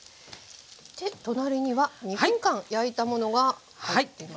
で隣には２分間焼いたものが入ってます。